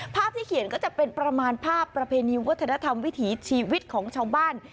ภาพที่เขียนก็จะเป็นประมาณภาพประเพณีวัฒนธรรมวิถีชีวิตของชาวบ้าน